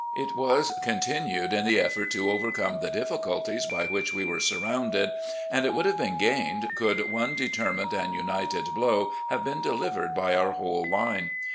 It was continued in the effort to overcome the difficulties by which we were sur rounded, and it would have been gained could one deter mined and imited blow have been delivered by our whole line.